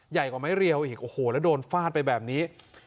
ใหญ่กว่าไม้เรียวอีกโอ้โหแล้วโดนฟาดไปแบบนี้